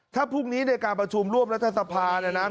ถ้าพรุ่งนี้ในการประชุมร่วมรัฐศัพท์นะนะ